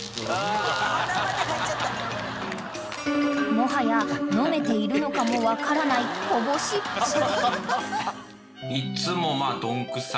［もはや飲めているのかも分からないこぼしっぷり］